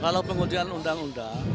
kalau pengundian undang undang